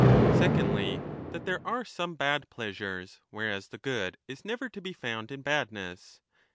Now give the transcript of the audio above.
Secondly, that there are some bad pleasures, whereas the good is never to be found in badness.